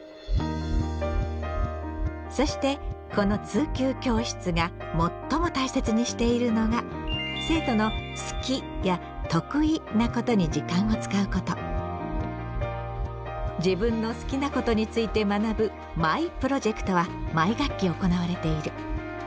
そしてこの通級教室が最も大切にしているのが生徒の自分の好きなことについて学ぶ「マイ・プロジェクト」は毎学期行われている。